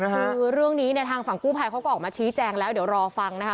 คือเรื่องนี้เนี่ยทางฝั่งกู้ภัยเขาก็ออกมาชี้แจงแล้วเดี๋ยวรอฟังนะคะ